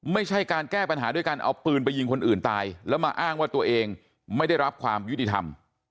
ไม่ใช่การแก้ปัญหาด้วยการเอาปืนไปยิงคนอื่นตายแล้วมาอ้างว่าตัวเองไม่ได้รับความยุติธรรม